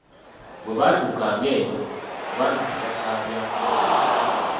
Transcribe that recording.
Bwe baatuukanga eyo, abaana nga basaba byakunywa.